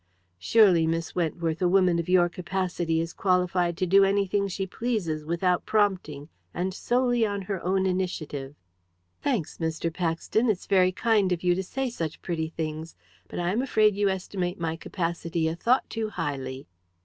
"Surely, Miss Wentworth, a woman of your capacity is qualified to do anything she pleases without prompting, and solely on her own initiative!" "Thanks, Mr. Paxton, it's very kind of you to say such pretty things, but I am afraid you estimate my capacity a thought too highly."